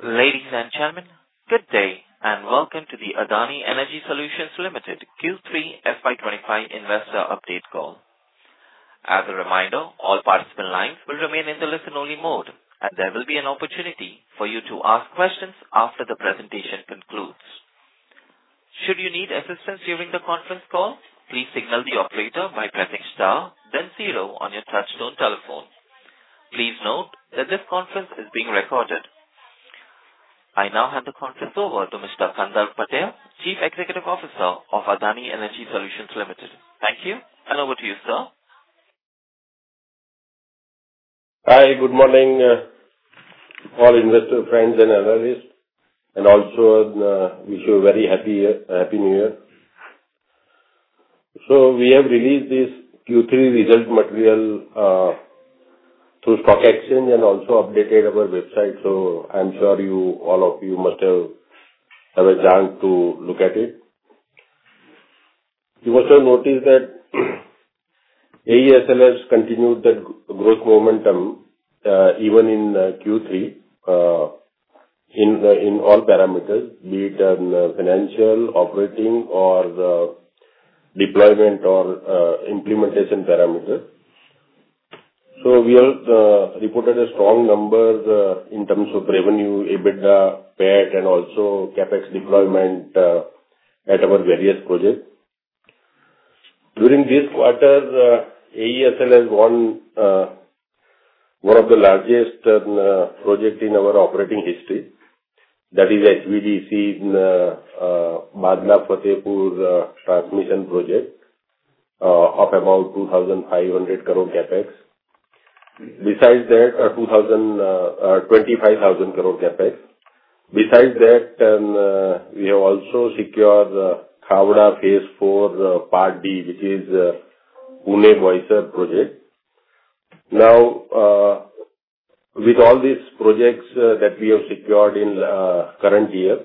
Ladies and gentlemen, good day and welcome to the Adani Energy Solutions Limited Q3 FY 2025 Investor Update call. As a reminder, all participant lines will remain in the listen-only mode, and there will be an opportunity for you to ask questions after the presentation concludes. Should you need assistance during the conference call, please signal the operator by pressing star, then zero on your touch-tone telephone. Please note that this conference is being recorded. I now hand the conference over to Mr. Kandarp Patel, Chief Executive Officer of Adani Energy Solutions Limited. Thank you, and over to you, sir. Hi, good morning, all investor friends and analysts, and also wish you a very happy New Year. So we have released this Q3 result material through stock exchange and also updated our website, so I'm sure all of you must have a chance to look at it. You must have noticed that AESL's continued that growth momentum even in Q3 in all parameters, be it financial, operating, or deployment or implementation parameters. So we have reported a strong number in terms of revenue, EBITDA, PAT, and also CAPEX deployment at our various projects. During this quarter, AESL's won one of the largest projects in our operating history, that is HVDC Bhadla-Fatehpur transmission project of about 2,500 crore CAPEX. Besides that, 25,000 crore CAPEX. Besides that, we have also secured Khavda Phase 4 Part D, which is Pune-Boisar project. Now, with all these projects that we have secured in the current year,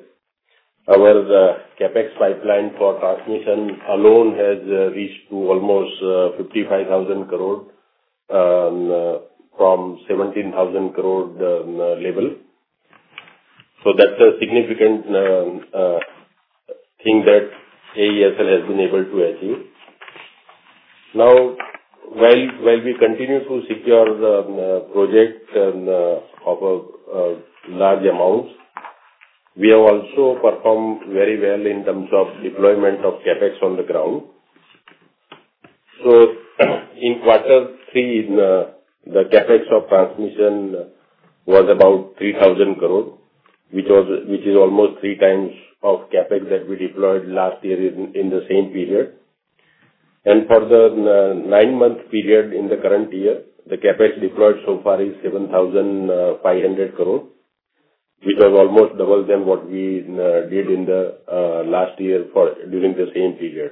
our CAPEX pipeline for transmission alone has reached almost 55,000 crore from 17,000 crore level. So that's a significant thing that AESL has been able to achieve. Now, while we continue to secure projects of large amounts, we have also performed very well in terms of deployment of CAPEX on the ground. So in quarter three, the CAPEX of transmission was about 3,000 crore, which is almost three times of CAPEX that we deployed last year in the same period. And for the nine-month period in the current year, the CAPEX deployed so far is 7,500 crore, which is almost double than what we did in the last year during the same period.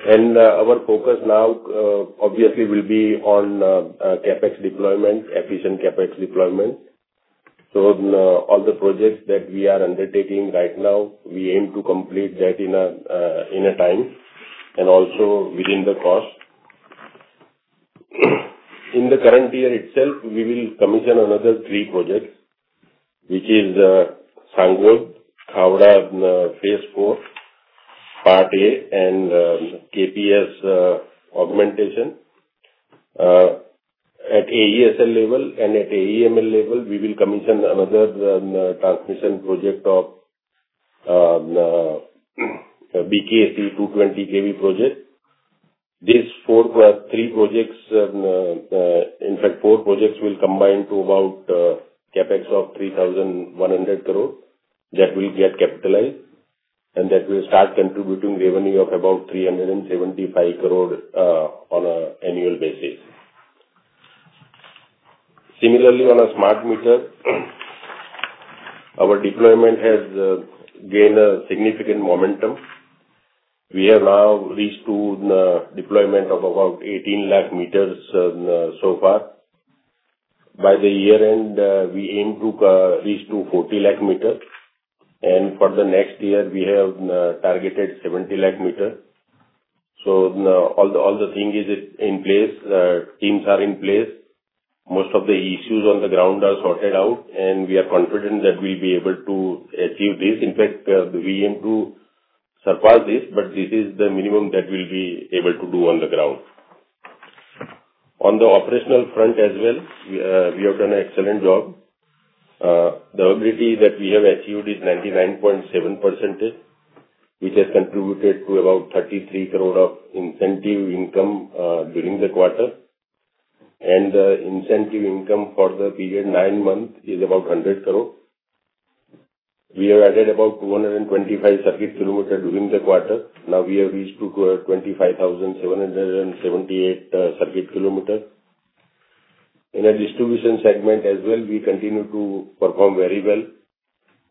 And our focus now, obviously, will be on CAPEX deployment, efficient CAPEX deployment. All the projects that we are undertaking right now, we aim to complete that on time and also within the cost. In the current year itself, we will commission another 3 projects, which are Sangod, Khavda Phase 4 Part A, and KPS Augmentation. At AESL level and at AEML level, we will commission another transmission project of BKC 220 kV Project. These 3 projects, in fact, 4 projects will combine to about CAPEX of 3,100 crore that will get capitalized, and that will start contributing revenue of about 375 crore on an annual basis. Similarly, on a smart meter, our deployment has gained significant momentum. We have now reached to deployment of about 18 lakh meters so far. By the year end, we aim to reach to 40 lakh meters, and for the next year, we have targeted 70 lakh meters. So all the thing is in place, teams are in place, most of the issues on the ground are sorted out, and we are confident that we'll be able to achieve this. In fact, we aim to surpass this, but this is the minimum that we'll be able to do on the ground. On the operational front as well, we have done an excellent job. The ability that we have achieved is 99.7%, which has contributed to about 33 crore of incentive income during the quarter, and the incentive income for the period nine months is about 100 crore. We have added about 225 circuit kilometers during the quarter. Now we have reached to 25,778 circuit kilometers. In the distribution segment as well, we continue to perform very well.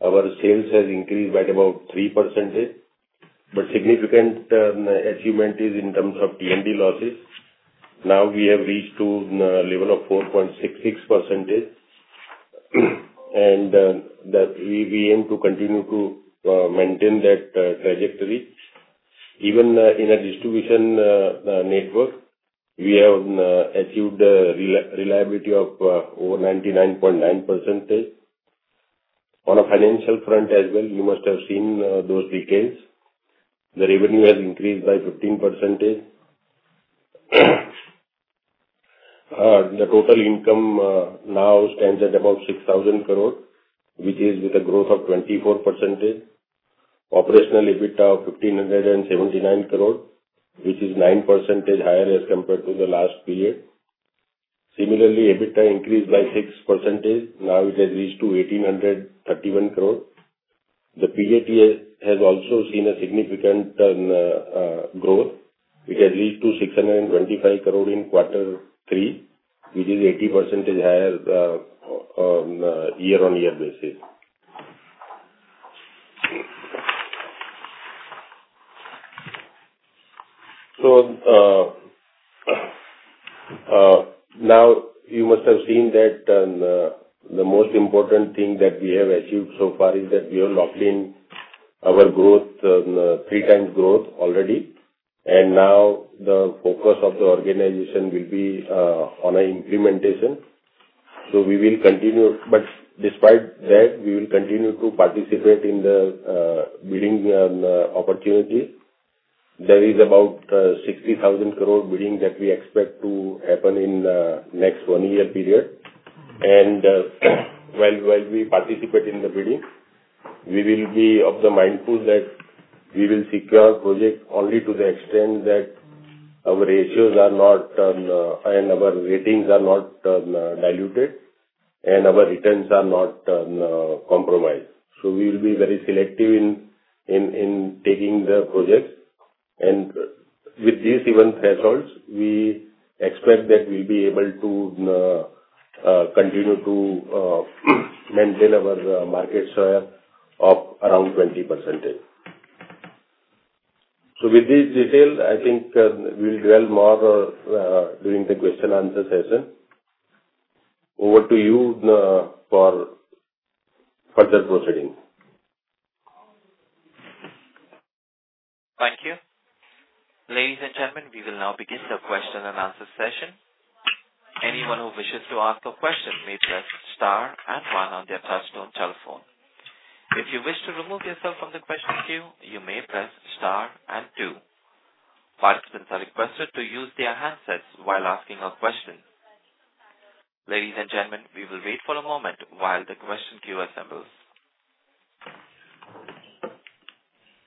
Our sales have increased by about 3%, but significant achievement is in terms of T&D losses. Now we have reached to the level of 4.66%, and we aim to continue to maintain that trajectory. Even in a distribution network, we have achieved reliability of over 99.9%. On a financial front as well, you must have seen those data. The revenue has increased by 15%. The total income now stands at about 6,000 crore, which is with a growth of 24%. Operational EBITDA of 1,579 crore, which is 9% higher as compared to the last period. Similarly, EBITDA increased by 6%. Now it has reached to 1,831 crore. The PAT has also seen a significant growth, which has reached to 625 crore in quarter three, which is 80% higher on a year-on-year basis. Now you must have seen that the most important thing that we have achieved so far is that we have locked in our growth, three times growth already, and now the focus of the organization will be on implementation. We will continue, but despite that, we will continue to participate in the bidding opportunity. There is about 60,000 crore bidding that we expect to happen in the next one-year period, and while we participate in the bidding, we will be mindful that we will secure projects only to the extent that our ratios are not and our ratings are not diluted and our returns are not compromised. We will be very selective in taking the projects, and with these event thresholds, we expect that we'll be able to continue to maintain our market share of around 20%. So with this detail, I think we'll dwell more during the question-answer session. Over to you for further proceeding. Thank you. Ladies and gentlemen, we will now begin the question-and-answer session. Anyone who wishes to ask a question may press star and one on their touch-tone telephone. If you wish to remove yourself from the question queue, you may press star and two. Participants are requested to use their handsets while asking a question. Ladies and gentlemen, we will wait for a moment while the question queue assembles.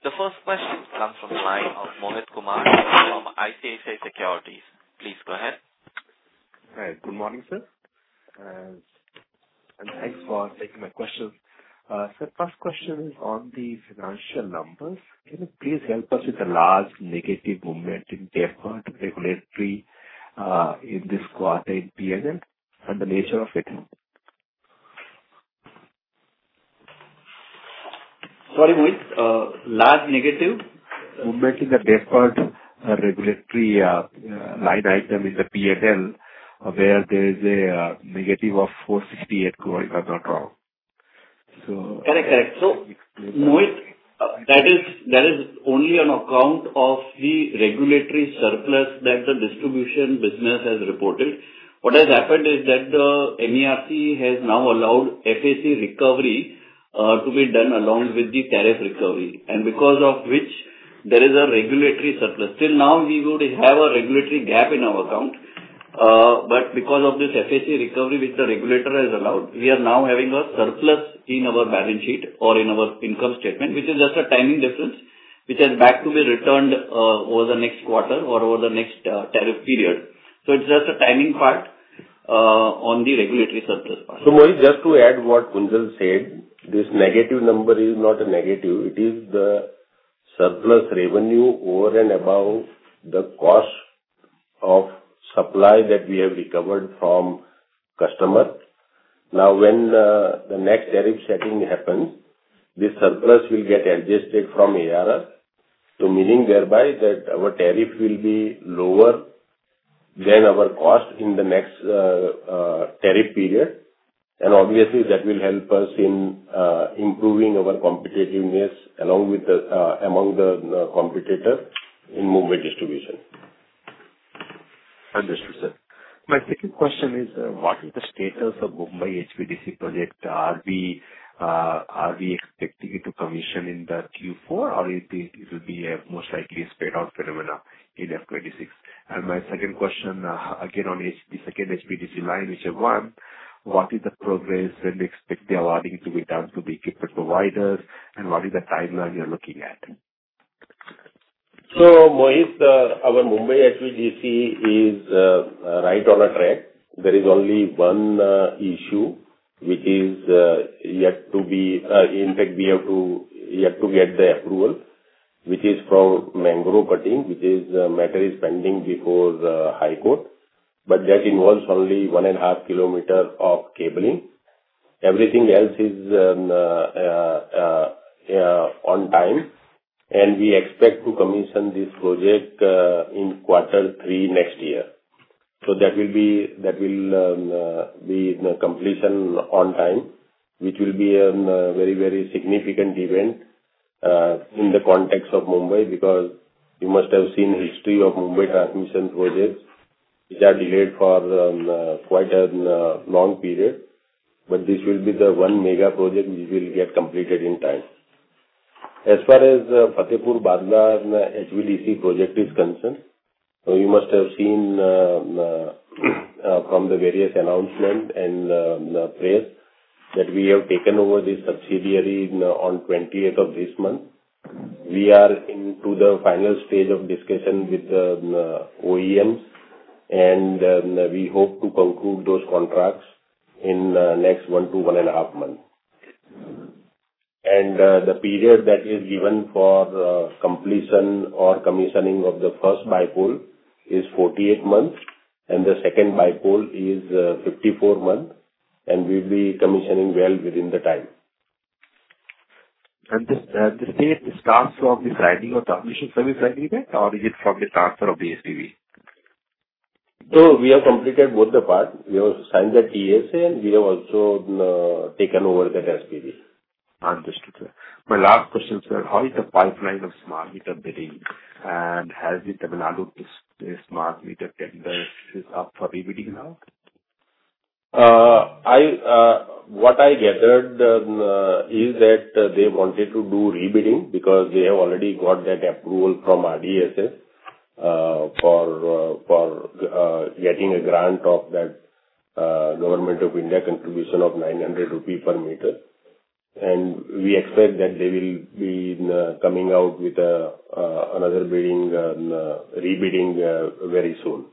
The first question comes from the line of Mohit Kumar from ICICI Securities. Please go ahead. Hi, good morning, sir. And thanks for taking my questions. So first question is on the financial numbers. Can you please help us with the large negative movement in the regulatory in this quarter in P&L and the nature of it? Sorry, Mohit. Large negative moment in the default regulatory line item in the P&L where there is a negative of 468 crore, if I'm not wrong. So. Correct, correct. So, Mohit, that is only on account of the regulatory surplus that the distribution business has reported. What has happened is that the MERC has now allowed FAC recovery to be done along with the tariff recovery, and because of which there is a regulatory surplus. Till now, we would have a regulatory gap in our account, but because of this FAC recovery which the regulator has allowed, we are now having a surplus in our balance sheet or in our income statement, which is just a timing difference, which has to be returned back over the next quarter or over the next tariff period. So, it's just a timing part on the regulatory surplus part. So Mohit, just to add what Kunjal said, this negative number is not a negative. It is the surplus revenue over and above the cost of supply that we have recovered from customers. Now, when the next tariff setting happens, this surplus will get adjusted from ARR, meaning thereby that our tariff will be lower than our cost in the next tariff period, and obviously, that will help us in improving our competitiveness among the competitors in Mumbai distribution. Understood, sir. My second question is, what is the status of Mumbai HVDC project? Are we expecting it to commission in the Q4, or will it be a most likely spread-out phenomenon in FY 2026? And my second question, again on the second HVDC line, which is one, what is the progress? When do you expect the awarding to be done to the equipment providers, and what is the timeline you're looking at? Mohit, our Mumbai HVDC is right on track. There is only one issue which is yet to be. In fact, we have yet to get the approval, which is from mangrove cutting, which matter is pending before High Court, but that involves only one and a half kilometers of cabling. Everything else is on time, and we expect to commission this project in quarter three next year. That will be the completion on time, which will be a very, very significant event in the context of Mumbai because you must have seen the history of Mumbai transmission projects, which are delayed for quite a long period, but this will be the one mega project which will get completed in time. As far as Fatehpur-Bhadla HVDC project is concerned, you must have seen from the various announcements and press releases that we have taken over this subsidiary on the 28th of this month. We are into the final stage of discussion with the OEMs, and we hope to conclude those contracts in the next one to one and a half months. The period that is given for completion or commissioning of the first bipole is 48 months, and the second bipole is 54 months, and we'll be commissioning well within the time. The start starts from the signing of the transmission service agreement, or is it from the transfer of the SPV? So we have completed both the parts. We have signed the TSA, and we have also taken over the SPV. Understood, sir. My last question, sir, how is the pipeline of smart meter bidding, and has the Tamil Nadu smart meter tender is up for rebidding now? What I gathered is that they wanted to do rebidding because they have already got that approval from RDSS for getting a grant of that Government of India contribution of INR 900 per meter, and we expect that they will be coming out with another bidding, rebidding very soon.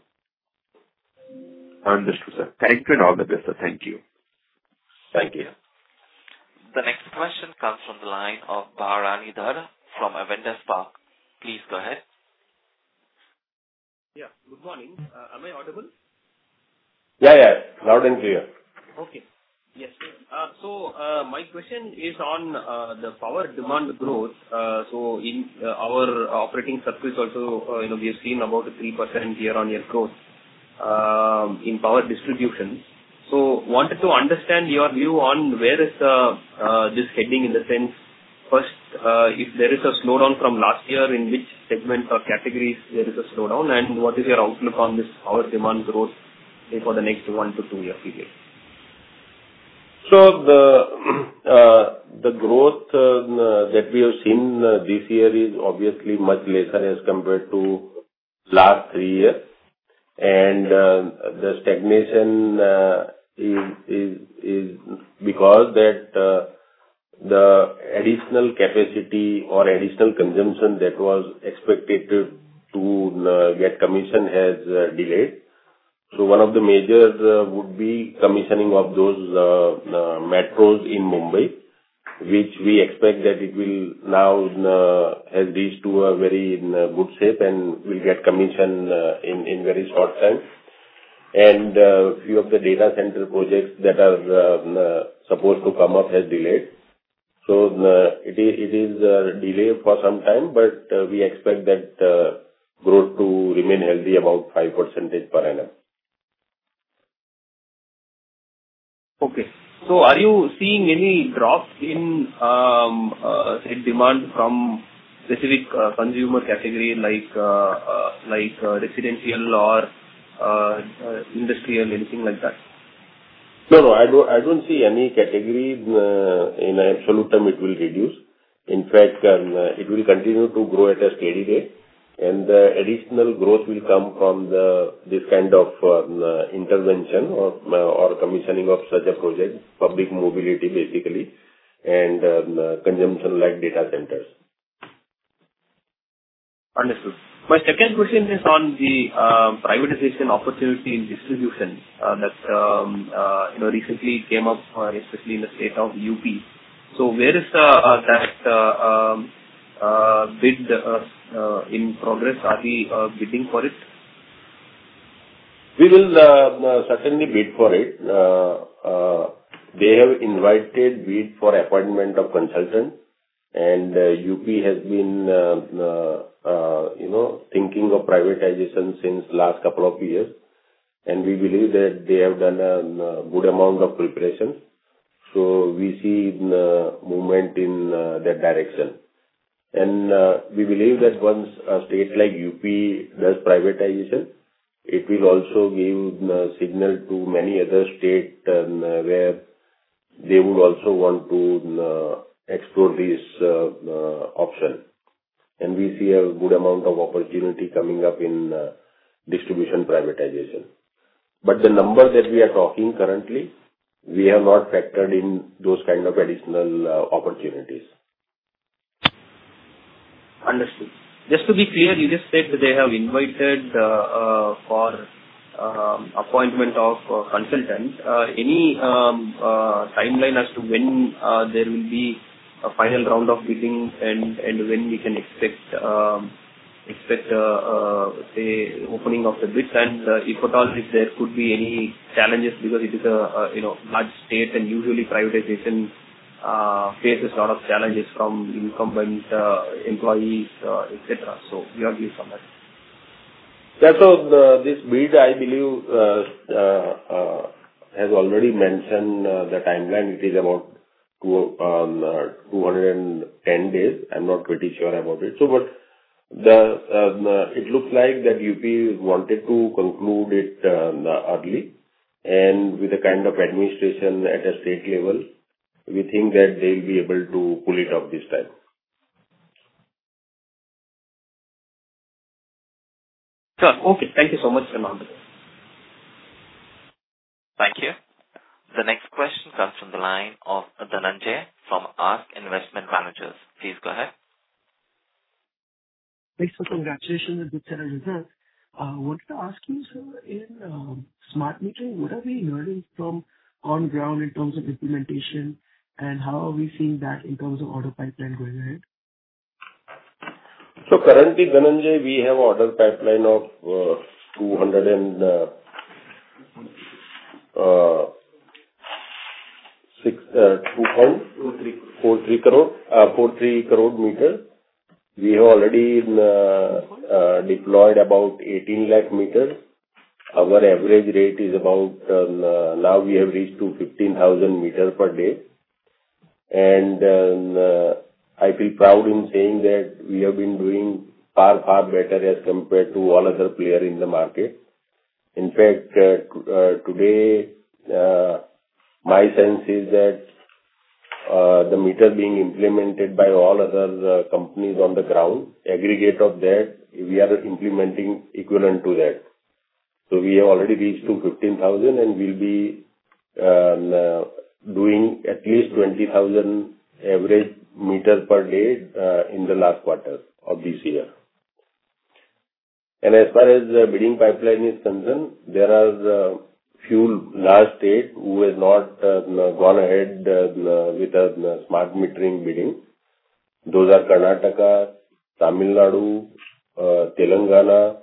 Understood, sir. Thank you and all the best, sir. Thank you. Thank you. The next question comes from the line of Bharani Dhar from Avendus Spark. Please go ahead. Yeah, good morning. Am I audible? Yeah, yeah. Loud and clear. Okay. Yes, sir. So my question is on the power demand growth. So in our operating circuits, also we have seen about a 3% year-on-year growth in power distribution. So I wanted to understand your view on where is this heading in the sense first, if there is a slowdown from last year in which segment or categories there is a slowdown, and what is your outlook on this power demand growth for the next one- to two-year period? So the growth that we have seen this year is obviously much lesser as compared to last three years, and the stagnation is because that the additional capacity or additional consumption that was expected to get commissioned has delayed. One of the majors would be commissioning of those metros in Mumbai, which we expect that it will now have reached to a very good shape and will get commissioned in a very short time. And a few of the data center projects that are supposed to come up have delayed. So it is delayed for some time, but we expect that growth to remain healthy about 5% per annum. Are you seeing any drop in demand from specific consumer categories like residential or industrial, anything like that? No, no. I don't see any category. In absolute term, it will reduce. In fact, it will continue to grow at a steady rate, and the additional growth will come from this kind of intervention or commissioning of such a project, public mobility basically, and consumption-like data centers. Understood. My second question is on the privatization opportunity in distribution that recently came up, especially in the state of UP. So where is that bid in progress? Are we bidding for it? We will certainly bid for it. They have invited me for appointment of consultants, and UP has been thinking of privatization since the last couple of years, and we believe that they have done a good amount of preparation. So we see movement in that direction. And we believe that once a state like UP does privatization, it will also give the signal to many other states where they would also want to explore this option. And we see a good amount of opportunity coming up in distribution privatization. But the number that we are talking currently, we have not factored in those kinds of additional opportunities. Understood. Just to be clear, you just said they have invited for appointment of consultants. Any timeline as to when there will be a final round of bidding and when we can expect the opening of the bids? And if at all, if there could be any challenges because it is a large state, and usually privatization faces a lot of challenges from incumbent employees, etc. So your views on that? Yeah. So this bid, I believe, has already mentioned the timeline. It is about 210 days. I'm not quite sure about it. But it looks like that UP wanted to conclude it early, and with the kind of administration at a state level, we think that they will be able to pull it off this time. Sure. Okay. Thank you so much. [inaudible] Thank you. The next question comes from the line of Dhananjai from Ask Investment Managers. Please go ahead. Thanks for the congratulations and good quarter results. I wanted to ask you, sir, in smart meters, what are we learning from on ground in terms of implementation, and how are we seeing that in terms of order pipeline going ahead? So currently, Dhananjai, we have an order pipeline of 2.43 crore meters. We have already deployed about 18 lakh meters. Our average rate is about now we have reached to 15,000 meters per day. And I feel proud in saying that we have been doing far, far better as compared to all other players in the market. In fact, today, my sense is that the meters being implemented by all other companies on the ground, aggregate of that, we are implementing equivalent to that. So we have already reached to 15,000, and we'll be doing at least 20,000 average meters per day in the last quarter of this year. And as far as the bidding pipeline is concerned, there are a few large states who have not gone ahead with the smart metering bidding. Those are Karnataka, Tamil Nadu, Telangana,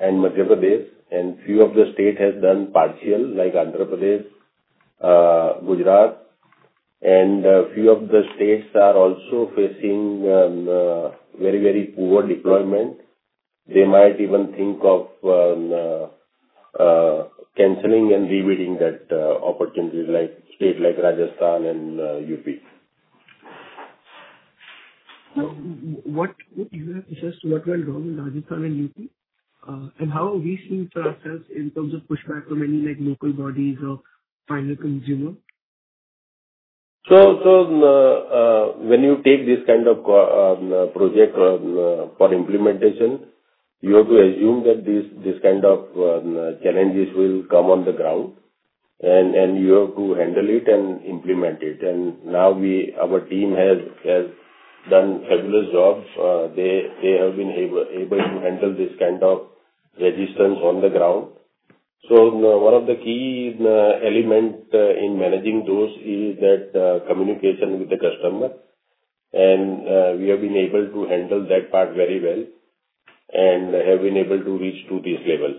and Madhya Pradesh, and a few of the states have done partial, like Andhra Pradesh, Gujarat, and a few of the states are also facing very, very poor deployment. They might even think of canceling and rebidding that opportunity in states like Rajasthan and UP. So what would you have assessed what went wrong in Rajasthan and UP, and how are we seeing for ourselves in terms of pushback from any local bodies or final consumer? When you take this kind of project for implementation, you have to assume that this kind of challenges will come on the ground, and you have to handle it and implement it. Now our team has done a fabulous job. They have been able to handle this kind of resistance on the ground. One of the key elements in managing those is that communication with the customer, and we have been able to handle that part very well and have been able to reach to this level.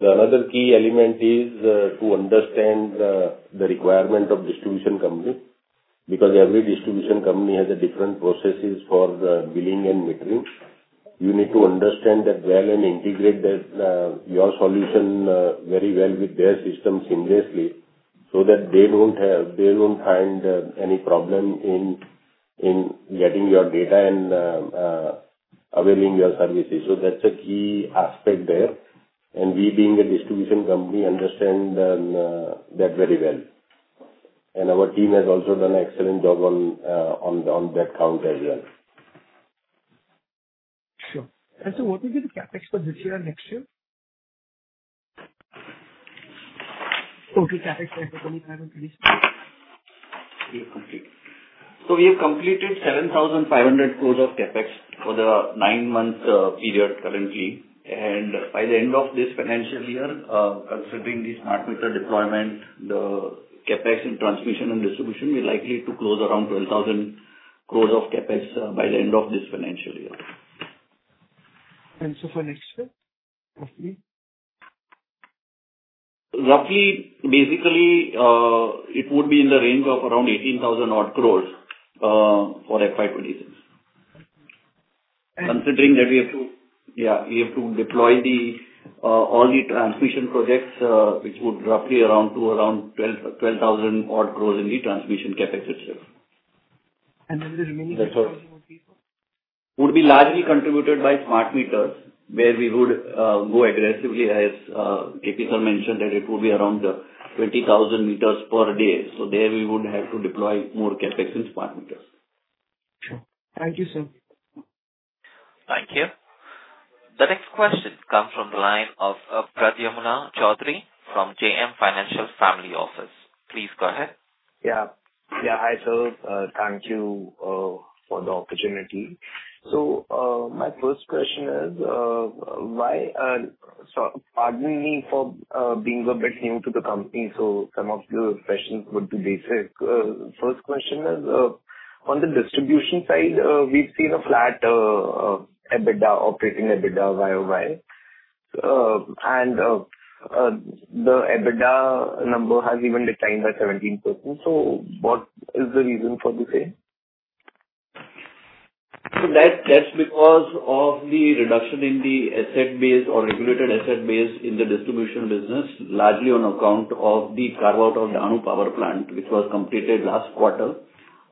The other key element is to understand the requirement of the distribution company because every distribution company has different processes for billing and metering. You need to understand that well and integrate your solution very well with their system seamlessly so that they don't find any problem in getting your data and availing your services. That's a key aspect there, and we being a distribution company understand that very well. Our team has also done an excellent job on that count as well. Sure, and so what will be the CapEx for this year and next year? Total CapEx for 2025 and 2026? So we have completed 7,500 crores of CapEx for the nine-month period currently. And by the end of this financial year, considering the smart meter deployment, the CapEx in transmission and distribution, we're likely to close around 12,000 crores of CapEx by the end of this financial year. And so for next year, roughly? Roughly, basically, it would be in the range of around 18,000 odd crores for FY 2026. Okay. Considering that we have to deploy all the transmission projects, which would roughly amount to around 12,000 odd crores in the transmission CapEx itself. And then the remaining 12,000 would be for? Would be largely contributed by smart meters, where we would go aggressively, as KP sir mentioned, that it would be around 20,000 meters per day. So there we would have to deploy more CapEx in smart meters. Sure. Thank you, sir. Thank you. The next question comes from the line of Pradyumna Choudhary from JM Financial Family Office. Please go ahead. Yeah. Yeah. Hi, sir. Thank you for the opportunity. So my first question is, why? So pardon me for being a bit new to the company, so some of your questions would be basic. First question is, on the distribution side, we've seen a flat EBITDA, operating EBITDA YOY, and the EBITDA number has even declined by 17%. So what is the reason for the same? So that's because of the reduction in the asset base or regulated asset base in the distribution business, largely on account of the carve-out of Dahanu Power Plant, which was completed last quarter.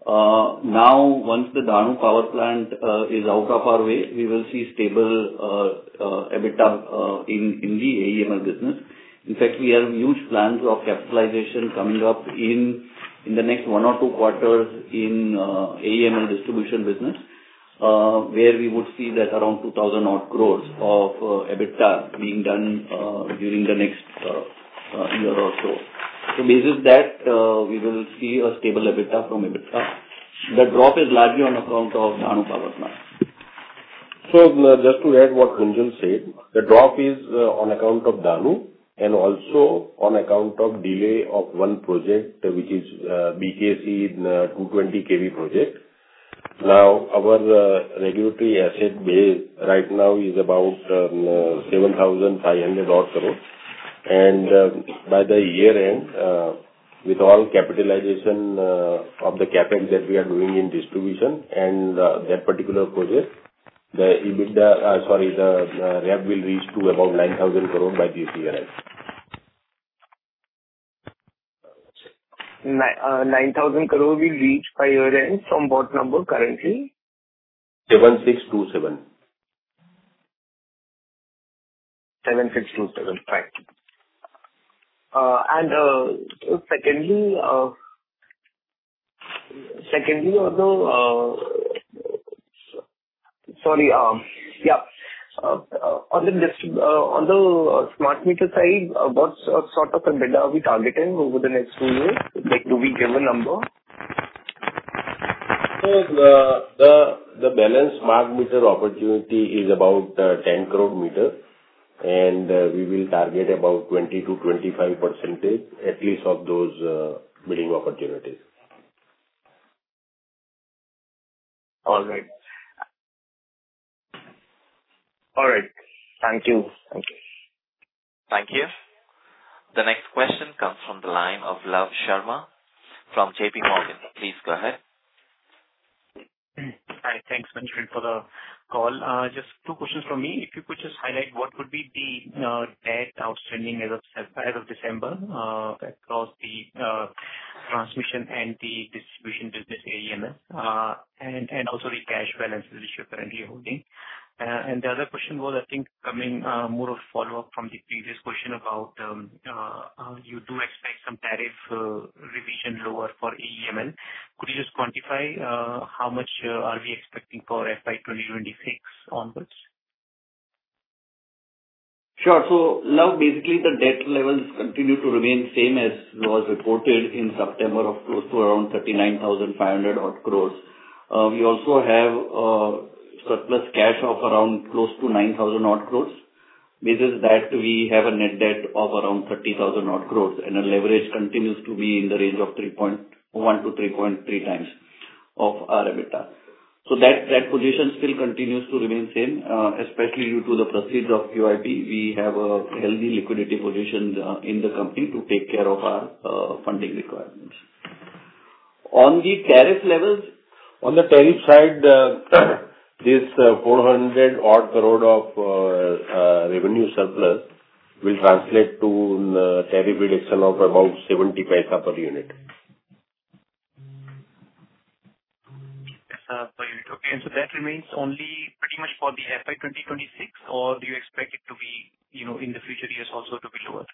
Now, once the Dahanu Power Plant is out of our way, we will see stable EBITDA in the AEML business. In fact, we have huge plans of capitalization coming up in the next one or two quarters in AEML distribution business, where we would see that around 2,000 crore of EBITDA being done during the next year or so. So basically, we will see a stable EBITDA from EBITDA. The drop is largely on account of Dahanu Power Plant. Just to add what Kunjal said, the drop is on account of Dahanu and also on account of delay of one project, which is BKC 220 kV Project. Now, our regulatory asset base right now is about 7,500 crores, and by the year end, with all capitalization of the CapEx that we are doing in distribution and that particular project, the EBITDA, sorry, the RAB will reach to about 9,000 crores by this year end. 9,000 crores will reach by year end from what number currently? 7,627. Thank you. And secondly, on the smart meter side, what sort of EBITDA are we targeting over the next two years? Do we give a number? The balanced smart meter opportunity is about 10 crore meters, and we will target about 20%-25%, at least, of those bidding opportunities. All right. All right. Thank you. Thank you. Thank you. The next question comes from the line of Love Sharma from JPMorgan. Please go ahead. Hi. Thanks, Manish, for the call. Just two questions from me. If you could just highlight what would be the debt outstanding as of December across the transmission and the distribution business AEML and also the cash balances which you're currently holding. And the other question was, I think, coming more of a follow-up from the previous question about you do expect some tariff revision lower for AEML. Could you just quantify how much are we expecting for FY 2026 onwards? Sure. So now, basically, the debt levels continue to remain the same as was reported in September of close to around 39,500 odd crores. We also have surplus cash of around close to 9,000 odd crores, which is that we have a net debt of around 30,000 odd crores, and the leverage continues to be in the range of 1 to 3.3 times of our EBITDA. So that position still continues to remain the same, especially due to the proceeds of QIP. We have a healthy liquidity position in the company to take care of our funding requirements. On the tariff levels, on the tariff side, this 400 odd crore of revenue surplus will translate to a tariff reduction of about INR 0.70 per unit. INR 0.70 per unit. Okay. And so that remains only pretty much for the FY 2026, or do you expect it to be in the future years also to be lower?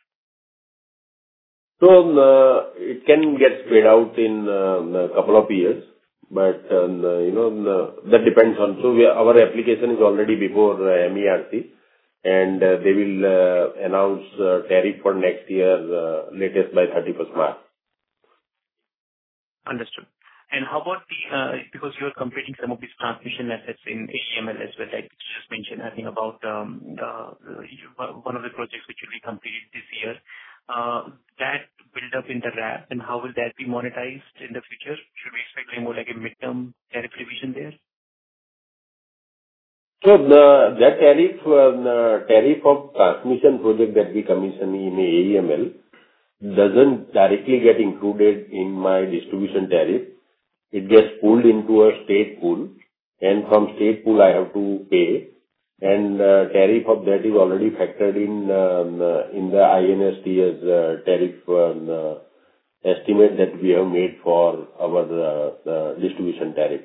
So it can get spread out in a couple of years, but that depends on, so our application is already before MERC, and they will announce tariff for next year, latest by 31st March. Understood. And how about because you are completing some of these transmission assets in AEML as well, like you just mentioned, I think, about one of the projects which will be completed this year, that build-up in the RAB, and how will that be monetized in the future? Should we expect more like a mid-term tariff revision there? So that tariff of transmission project that we commission in AEML doesn't directly get included in my distribution tariff. It gets pulled into a state pool, and from state pool, I have to pay, and the tariff of that is already factored in the ISTS as a tariff estimate that we have made for our distribution tariff.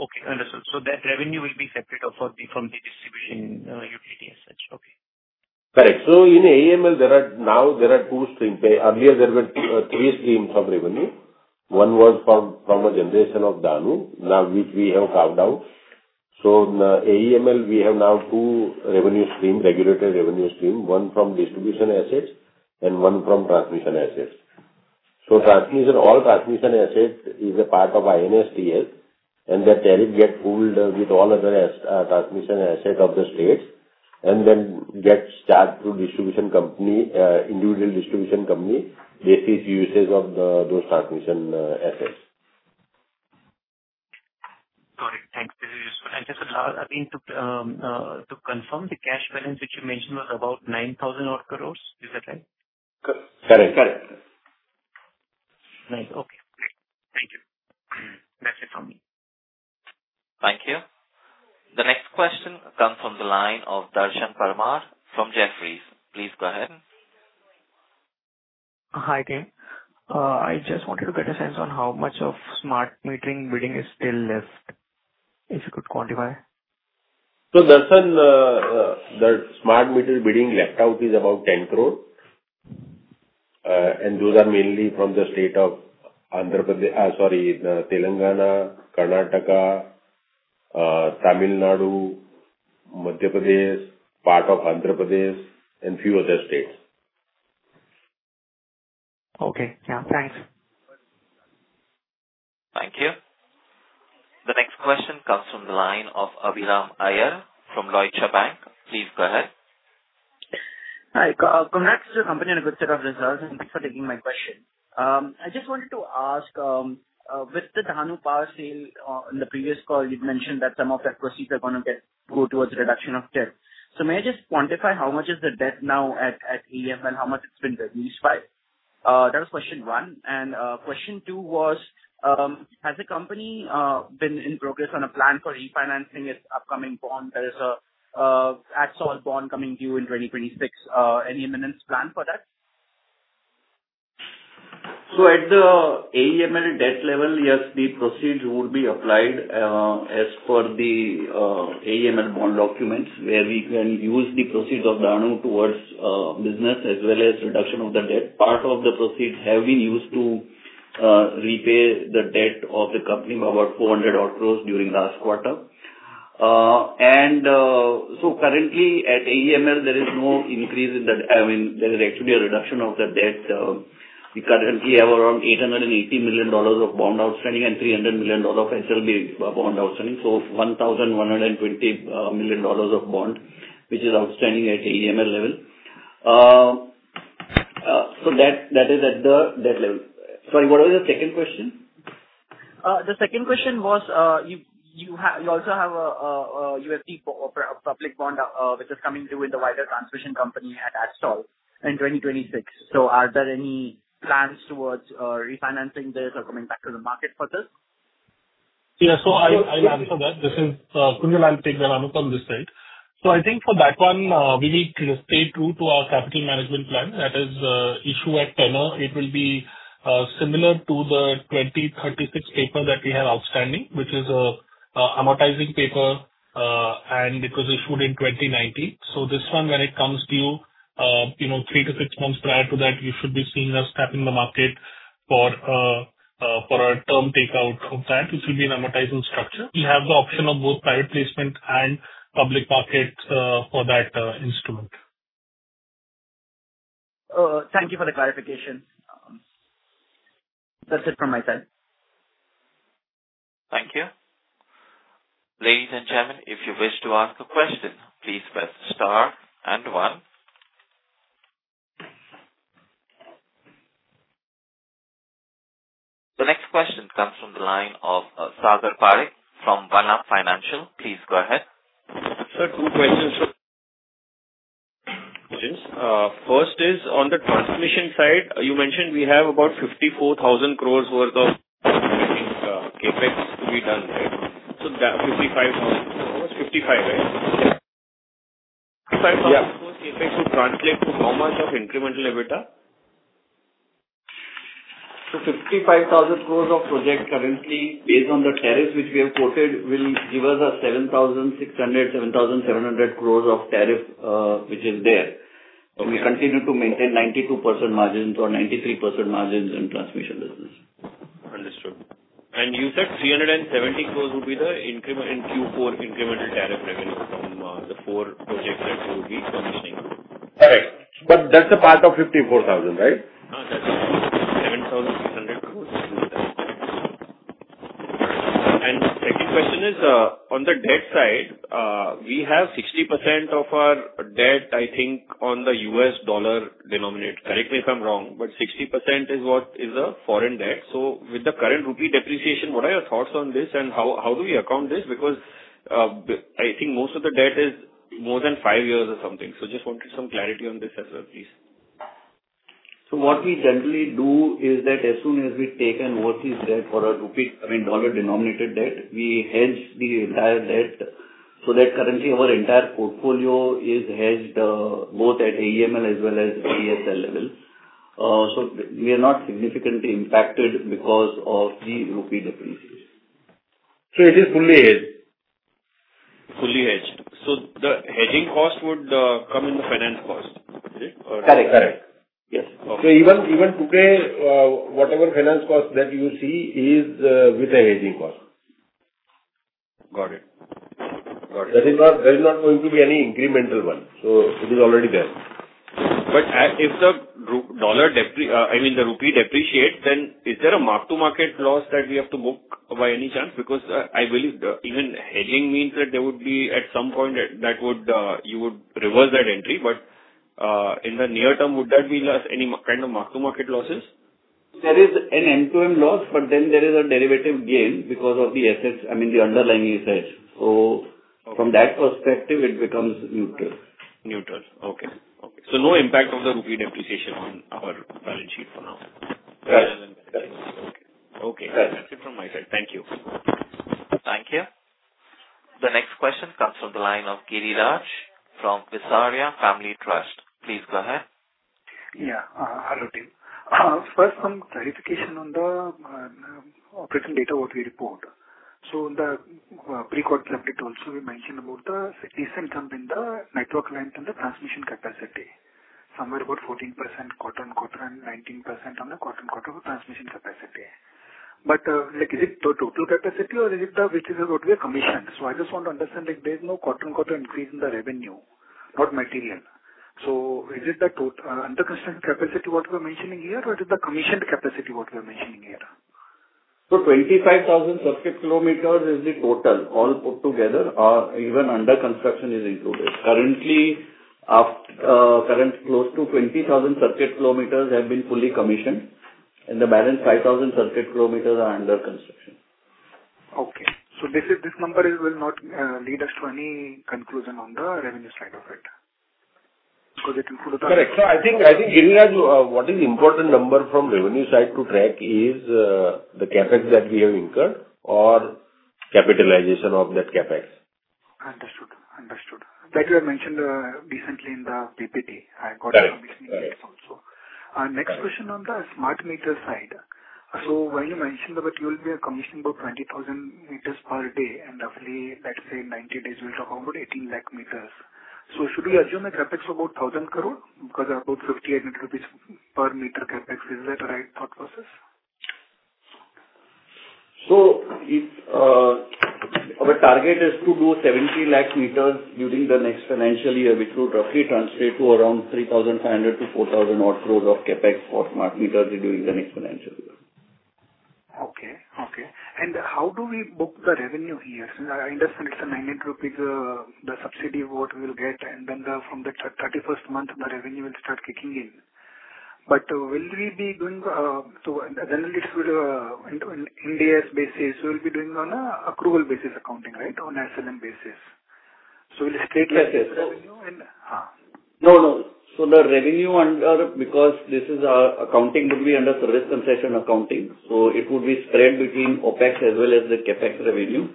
Okay. Understood. So that revenue will be separate from the distribution utility as such. Okay. Correct. So in AEML, now there are two streams. Earlier, there were three streams of revenue. One was from a generation of Dahanu, which we have carved out. So in AEML, we have now two revenue streams, regulated revenue streams, one from distribution assets and one from transmission assets. So all transmission assets is a part of ISTS, and the tariff gets pulled with all other transmission assets of the states and then gets charged to individual distribution company based on the usage of those transmission assets. Got it. Thanks. This is useful. And just a last, I mean, to confirm, the cash balance which you mentioned was about 9,000 odd crores. Is that right? Correct. Correct. Correct. Nice. Okay. Great. Thank you. That's it from me. Thank you. The next question comes from the line of Darshan Parmar from Jefferies. Please go ahead. Hi, team. I just wanted to get a sense on how much of smart metering bidding is still left, if you could quantify. Darshan, the smart meter bidding left out is about 10 crores, and those are mainly from the state of Andhra Pradesh, sorry, Telangana, Karnataka, Tamil Nadu, Madhya Pradesh, part of Andhra Pradesh, and a few other states. Okay. Yeah. Thanks. Thank you. The next question comes from the line of Abhiram Iyer from Deutsche Bank. Please go ahead. Hi. Congrats to the company on a good set of results, and thanks for taking my question. I just wanted to ask, with the Dahanu Power sale in the previous call, you'd mentioned that some of that proceeds are going to go towards reduction of debt. So may I just quantify how much is the debt now at AEML, how much it's been reduced by? That was question one. And question two was, has the company been in progress on a plan for refinancing its upcoming bond? There is an AESL bond coming due in 2026. Any imminent plan for that? So at the AEML debt level, yes, the proceeds would be applied as per the AEML bond documents, where we can use the proceeds of Dahanu towards business as well as reduction of the debt. Part of the proceeds have been used to repay the debt of the company of about 400 odd crores during last quarter. And so currently, at AEML, there is no increase in the—I mean, there is actually a reduction of the debt. We currently have around $880 million of bond outstanding and $300 million of SLB bond outstanding, so $1,120 million of bond, which is outstanding at AEML level. So that is at the debt level. Sorry, what was the second question? The second question was, you also have a USD public bond which is coming due with the Adani transmission company at all in 2026. So are there any plans towards refinancing this or coming back to the market for this? Yeah. So I'll answer that. This is Kunjal Mehta on this side. So I think for that one, we will stay true to our capital management plan. That is issued at 10-year. It will be similar to the 2036 paper that we have outstanding, which is an amortizing paper, and it was issued in 2019. So this one, when it comes due, three to six months prior to that, you should be seeing us tapping the market for a term takeout of that, which will be an amortizing structure. We have the option of both private placement and public market for that instrument. Thank you for the clarification. That's it from my side. Thank you. Ladies and gentlemen, if you wish to ask a question, please press star and one. The next question comes from the line of Chirag Parekh from Nuvama Wealth Management. Please go ahead. Sir, two questions. First is, on the transmission side, you mentioned we have about 54,000 crores worth of transmission CAPEX to be done, right? So 55,000 - was it 55, right? Yeah. 55,000 crores CapEx would translate to how much of incremental EBITDA? 55,000 crores of project currently, based on the tariffs which we have quoted, will give us 7,600-7,700 crores of tariff which is there. We continue to maintain 92% or 93% margins in transmission business. Understood. And you said 370 crores would be the Q4 incremental tariff revenue from the four projects that you will be commissioning? Correct. But that's a part of 54,000, right? That's it. INR 7,600 crores would be the tariff. Second question is, on the debt side, we have 60% of our debt, I think, on the U.S. dollar denominated. Correct me if I'm wrong, but 60% is what is the foreign debt. So with the current rupee depreciation, what are your thoughts on this, and how do we account this? Because I think most of the debt is more than five years or something. So just wanted some clarity on this as well, please. So, what we generally do is that as soon as we take and work this debt for a rupee, I mean, dollar-denominated debt, we hedge the entire debt so that currently our entire portfolio is hedged both at AEML as well as ESL level. So we are not significantly impacted because of the rupee depreciation. So it is fully hedged. Fully hedged. So the hedging cost would come in the finance cost, is it? Correct. Correct. Yes. So even today, whatever finance cost that you see is with the hedging cost. Got it. Got it. There is not going to be any incremental one. So it is already there. But if the dollar, I mean, the rupee depreciates, then is there a mark-to-market loss that we have to book by any chance? Because I believe even hedging means that there would be at some point that you would reverse that entry. But in the near term, would that be any kind of mark-to-market losses? There is an end-to-end loss, but then there is a derivative gain because of the assets, I mean, the underlying usage, so from that perspective, it becomes neutral. Neutral. Okay. Okay. So no impact of the rupee depreciation on our balance sheet for now. Correct. Okay. That's it from my side. Thank you. Thank you. The next question comes from the line of Giriraj from Visaria Family Trust. Please go ahead. Yeah. Hello team. First, some clarification on the operating data what we report. So in the pre-quote subject also, we mentioned about the recent jump in the network length and the transmission capacity, somewhere about 14% quarter on quarter and 19% on the quarter on quarter for transmission capacity. But is it the total capacity or is it the which is what we are commissioned? So I just want to understand, there is no quarter on quarter increase in the revenue, not material. So is it the under construction capacity what we are mentioning here, or is it the commissioned capacity what we are mentioning here? So 25,000 circuit kilometers is the total. All put together or even under construction is included. Currently, close to 20,000 circuit kilometers have been fully commissioned, and the balance 5,000 circuit kilometers are under construction. Okay. So this number will not lead us to any conclusion on the revenue side of it because it includes the. Correct. So I think, Giriraj, what is the important number from revenue side to track is the CapEx that we have incurred or capitalization of that CapEx. Understood. Like you had mentioned recently in the PPT, I got a commissioning date also. Next question on the smart meter side. So when you mentioned that you will be commissioning about 20,000 meters per day, and roughly, let's say in 90 days, we'll talk about 18 lakh meters. So should we assume a CAPEX of about 1,000 crore because about 5,800 rupees per meter CAPEX? Is that a right thought process? So our target is to do 70 lakh meters during the next financial year, which will roughly translate to around 3,500-4,000 odd crores of CapEx for smart meters during the next financial year. Okay. Okay. And how do we book the revenue here? I understand it's 900 rupees, the subsidy what we will get, and then from the 31st month, the revenue will start kicking in. But will we be doing so analytics will Ind AS basis, we'll be doing on an accrual basis accounting, right, on SLM basis. So we'll straight. Yes, yes. And. No, no. So the revenue, under—because this is our accounting—would be under service concession accounting, so it would be spread between OpEx as well as the CapEx revenue.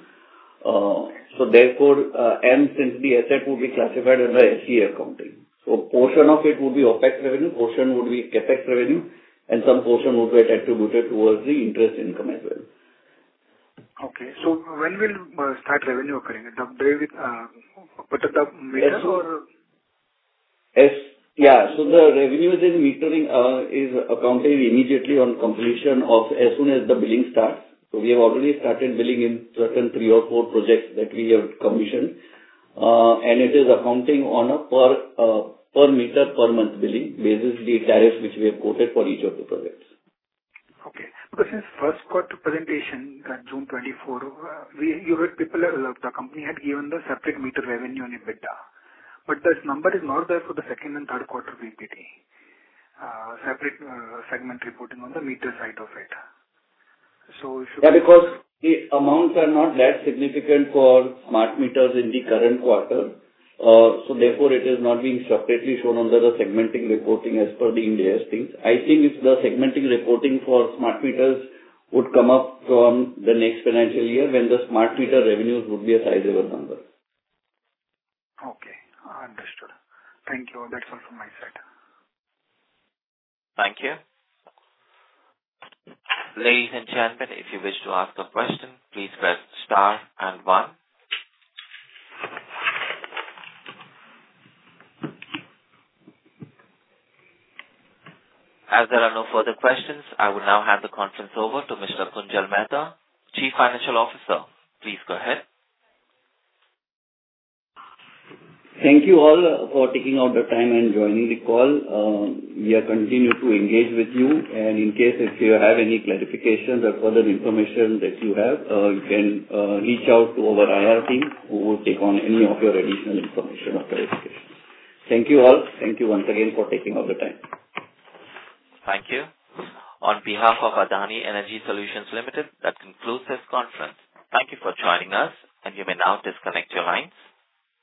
So therefore, and since the asset would be classified under SCA accounting, so a portion of it would be OpEx revenue, a portion would be CapEx revenue, and some portion would get attributed towards the interest income as well. Okay. So when will revenue start accruing from the meters or? Yes. Yeah. So the revenue in metering is accounted immediately on completion of, as soon as the billing starts. So we have already started billing in certain three or four projects that we have commissioned, and it is accounting on a per meter per month billing basis the tariff which we have quoted for each of the projects. Okay. Because since first quarter presentation, June 24, you heard people have the company had given the separate meter revenue and EBITDA, but this number is not there for the second and third quarter PPT, separate segment reporting on the meter side of it. So if. Yeah, because the amounts are not that significant for smart meters in the current quarter, so therefore it is not being separately shown under the segment reporting as per the Ind AS things. I think the segment reporting for smart meters would come up from the next financial year when the smart meter revenues would be a sizable number. Okay. Understood. Thank you. That's all from my side. Thank you. Ladies and gentlemen, if you wish to ask a question, please press star and one. As there are no further questions, I will now hand the conference over to Mr. Kunjal Mehta, Chief Financial Officer. Please go ahead. Thank you all for taking out the time and joining the call. We are continuing to engage with you, and in case if you have any clarifications or further information that you have, you can reach out to our IR team who will take on any of your additional information or clarification. Thank you all. Thank you once again for taking all the time. Thank you. On behalf of Adani Energy Solutions Limited, that concludes this conference. Thank you for joining us, and you may now disconnect your lines.